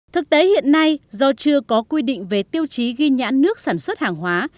thực tế hiện nay do chưa có quy định về tiêu chí ghi nhãn nước sản xuất hàng hóa